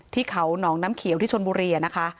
ที่เขาหนองน้ำเขียวที่ชนบุรีนะคะ